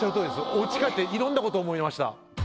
おうち帰って色んなこと思いました。